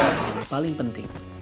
jadi paling penting